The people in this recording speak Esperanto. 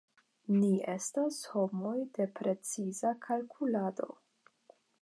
Ni estas homoj de preciza kalkulado.